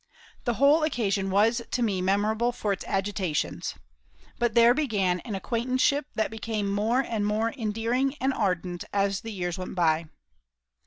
The whole occasion was to me memorable for its agitations. But there began an acquaintanceship that became more and more endearing and ardent as the years went by.